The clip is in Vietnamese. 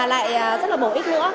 mà lại rất là bổ ích nữa